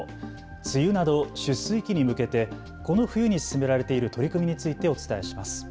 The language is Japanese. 梅雨など出水期に向けてこの冬に進められている取り組みについてお伝えします。